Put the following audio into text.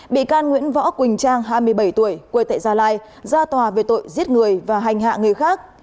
bị can nguyễn võ quỳnh trang hai mươi bảy tuổi quê tệ gia lai ra tòa về tội giết người và hành hạ người khác